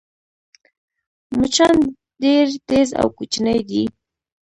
مچان ډېر تېز او کوچني دي